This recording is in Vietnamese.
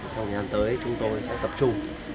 sau khi đến tới chúng tôi sẽ tập trung